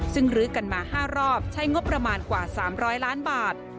ซึ่งลื้อกันมา๕รอบใช้งบประมาณกว่า๓๐๐ล้านบาท